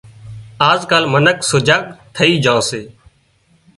آز ڪال منک سجاگ ٿئي جھان سي